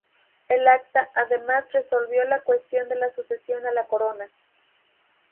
El Acta además resolvió la cuestión de la sucesión a la corona.